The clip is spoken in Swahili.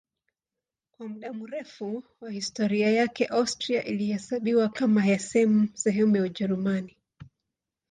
Kwa muda mrefu wa historia yake Austria ilihesabiwa kama sehemu ya Ujerumani.